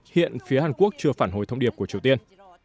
hiện phía hàn quốc chưa phản hồi thông điệp của triều tiên